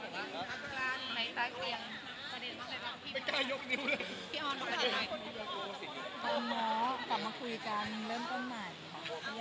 ตามน้อกลับมาคุยกันเริ่มต้นหนัก